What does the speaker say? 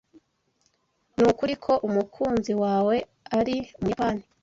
Nukuri ko umukunzi wawe ari umuyapani?